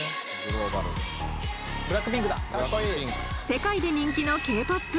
世界で人気のＫーＰＯＰ。